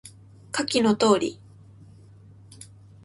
下記の通り